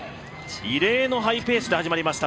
異例のハイペースで始まりました